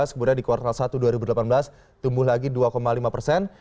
kemudian di kuartal satu dua ribu delapan belas tumbuh lagi dua lima persen